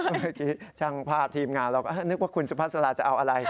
เมื่อกี้ช่างภาพทีมงานเราก็นึกว่าคุณสุภาษาลาจะเอาอะไร